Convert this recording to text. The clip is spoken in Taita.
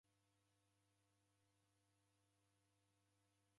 W'okoni aje